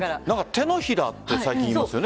手のひらって最近、言いますよね。